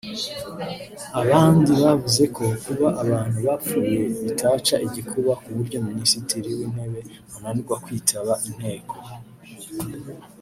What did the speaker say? Abandi bavuze ko kuba abantu bapfuye bitaca igikuba ku buryo Minisitiri w’Intebe ananirwa kwitaba inteko